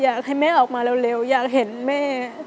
อยากให้แม่ออกมาเร็วอยากเห็นแม่